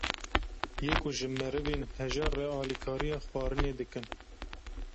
yê ku ji merivên hejar re alîkariya xwarinê dikin